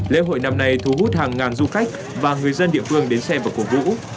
lễ hội năm nay thu hút hàng ngàn du khách và người dân địa phương đến xem và cổ vũ